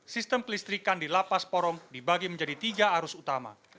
sistem kelistrikan di lapas porong dibagi menjadi tiga arus utama